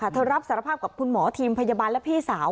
เธอรับสารภาพกับคุณหมอทีมพยาบาลและพี่สาว